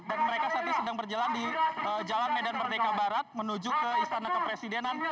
dan mereka saat ini sedang berjalan di jalan medan merdeka barat menuju ke istana kepresidenan